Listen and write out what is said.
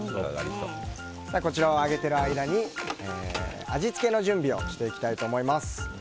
こちらを揚げている間に味付けの準備をしていきたいと思います。